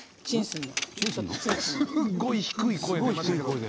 すごい低い声で。